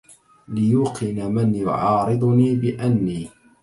ليوقن من يعارضني بأني